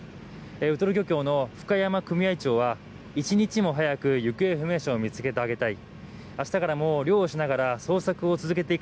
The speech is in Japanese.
ウトロ漁協の深山組合長は一日も早く行方不明者を見つけてあげたい。